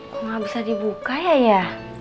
kok nggak bisa dibuka yaya